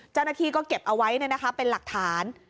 เจ้าหน้าที่ก็เก็บเอาไว้เนี่ยนะคะเป็นหลักฐาน